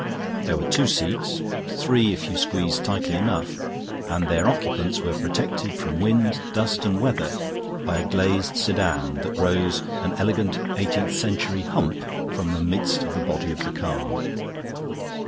There were two seats three if you squeezed tightly enough and their occupants were protected from wind, dust, and weather by a glazed sedan that rose, an elegant eighteenth century hump, from the midst of the body of the car.